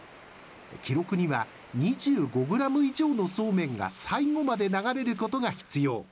記録には２５ｇ以上のそうめんが最後まで流れることが必要。